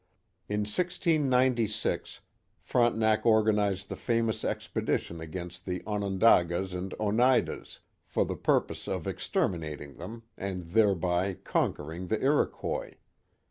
In 1696 Frontenac organized the famous expedition against the Onondagas and Oneidas, for the purpose of exterminating them, and thereby conquering the Iroquois.